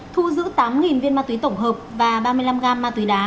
thu giữ tám viên ma túy tổng hợp và ba mươi năm gam ma túy đá